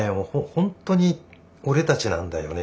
ほんとに俺たちなんだよね